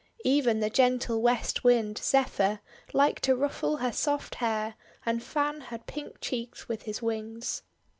Even the gentle West Wind, Zephyr, liked to ruffle her soft hair and fan her pink cheeks with his wings.